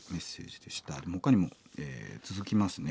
ほかにも続きますね。